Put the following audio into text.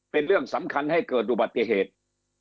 เป็นเรื่องสำคัญให้เกิดอุบัติเหตุ